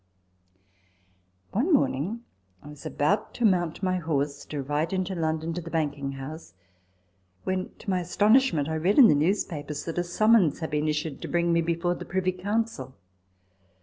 * One morning I was about to mount my horse to ride into London to the banking house, when, to my astonishment, I read in the newspapers that a summons had been issued to bring me before the Privy Council.